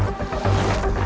saatnya jalanin rencana gue